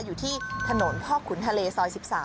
อยู่ที่ถนนพ่อขุนทะเลซอย๑๓